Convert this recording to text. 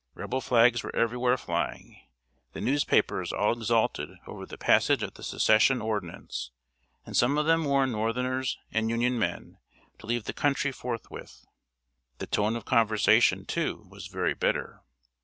Rebel flags were everywhere flying, the newspapers all exulted over the passage of the Secession ordinance, and some of them warned northerners and Union men to leave the country forthwith. The tone of conversation, too, was very bitter.